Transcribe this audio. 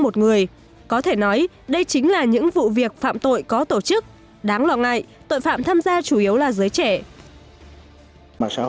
một người có thể nói đây chính là những vụ việc phạm tội có tổ chức đáng lo ngại tội phạm tham gia